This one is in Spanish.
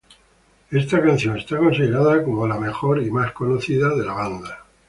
La canción es considerada como la más grande y más conocida de la banda.